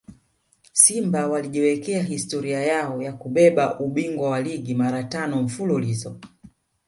Simba walijiwekea historia yao ya kubeba ubingwa wa ligi mara tano mfululizo